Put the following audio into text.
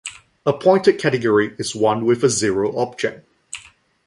A pointed category is one with a zero object.